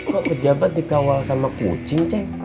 kok pejabat dikawal sama kucing cek